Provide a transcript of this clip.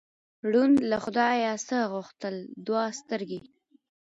ړوند له خدایه څه غوښتل؟ دوه سترګې.